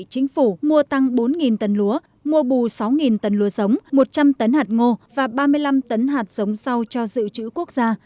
chính phủ mua tăng bốn tấn lúa mua bù sáu tấn lúa sống một trăm linh tấn hạt ngô và ba mươi năm tấn hạt sống rau cho dự trữ quốc gia